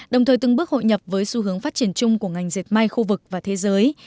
đồng thời từng bước hội nhập với xu hướng phát triển chung của ngành dệt may khu vực và thế giới